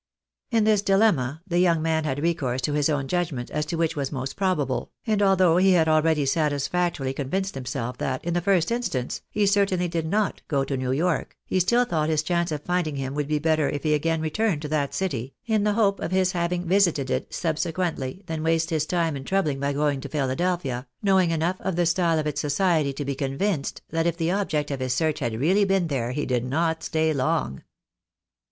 In this dilemma, the young man had recourse to his own judg ment as to which was most probable, and although he had already satisfactorily convinced himself that, in the first instance, he cer tainly did not go to New York, he still thought his chance of find ing him would be better if he again returned to that city, in the hope of his having visited it subsequently, than waste his time and trouble by going to Philadelphia, knowing enough of the style of its society to be convinced that if the object of his search had really been there he did not stay long.